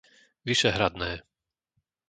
Vyšehradné